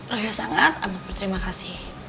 raya sangat amat berterima kasih